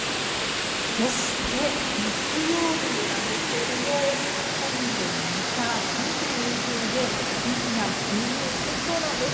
そして、月曜日なんですけども今度また、寒気の影響で天気が急変してきそうなんです。